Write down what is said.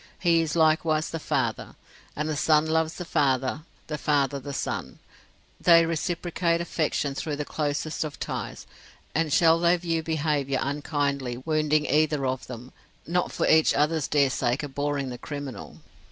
He is likewise the Father. And the son loves the father, the father the son; they reciprocate affection through the closest of ties; and shall they view behaviour unkindly wounding either of them, not for each other's dear sake abhorring the criminal?